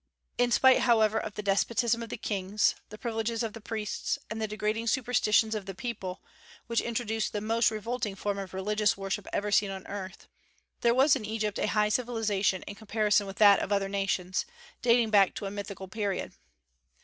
In spite, however, of the despotism of the kings, the privileges of the priests, and the degrading superstitions of the people, which introduced the most revolting form of religious worship ever seen on earth, there was in Egypt a high civilization in comparison with that of other nations, dating back to a mythical period.